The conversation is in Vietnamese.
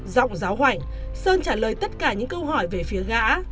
rọng giáo hoảnh sơn trả lời tất cả những câu hỏi về phía gã